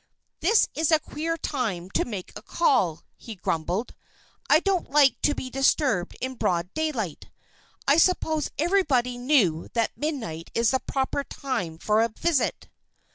"This is a queer time to make a call!" he grumbled. "I don't like to be disturbed in broad daylight. I supposed everybody knew that midnight is the proper time for a visit."